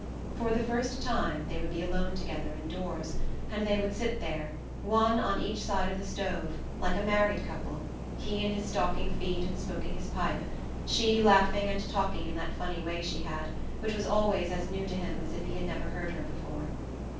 For the first time they would be alone together indoors, and they would sit there, one on each side of the stove, like a married couple, he in his stocking feet and smoking his pipe, she laughing and talking in that funny way she had, which was always as new to him as if he had never heard her before.